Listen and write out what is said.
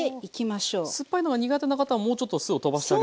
酸っぱいのが苦手な方はもうちょっと酢をとばしてあげる。